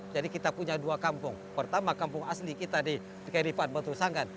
jadi kita punya dua kampung pertama kampung asli kita di kedipan batu sanggan